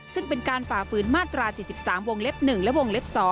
ซึ่งเป็นการฝ่าฝืนมาตรา๔๓วงเล็บ๑และวงเล็บ๒